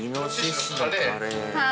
はい。